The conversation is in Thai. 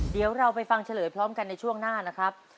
เดี๋ยวเราไปฟังเฉลยพร้อมกันในช่วงหน้านะครับ